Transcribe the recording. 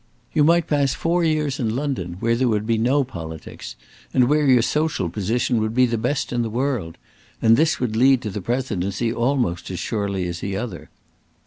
You might pass four years in London where there would be no politics, and where your social position would be the best in the world; and this would lead to the Presidency almost as surely as the other."